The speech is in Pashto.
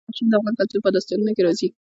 بدخشان د افغان کلتور په داستانونو کې راځي.